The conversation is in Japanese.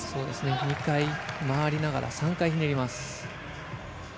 ２回、回りながら３回ひねります。